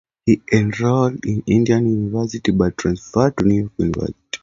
He enrolled in Indiana University but transferred to New York University.